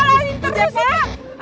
bawa dia ke situ